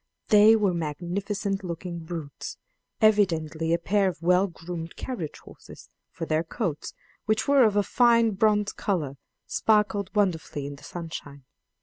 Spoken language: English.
They were magnificent looking brutes, evidently a pair of well groomed carriage horses, for their coats, which were of a fine bronze color, sparkled wonderfully in the sunshine.